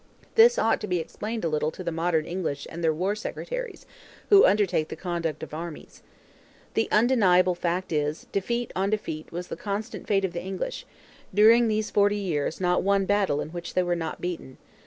This ought to be explained a little to the modern English and their War Secretaries, who undertake the conduct of armies. The undeniable fact is, defeat on defeat was the constant fate of the English; during these forty years not one battle in which they were not beaten.